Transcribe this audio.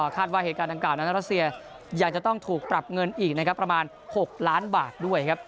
คาดว่าการดังกล่าวนั้นจะต้องถูกกลับเงินอีก๖ล้านบาทด้วย